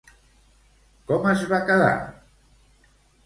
Com es va quedar?